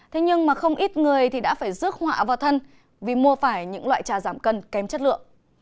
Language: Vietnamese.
thế nhưng mà không ít người thì đã phải rước họa vào thân vì mua phải những loại trà giảm cân kém chất lượng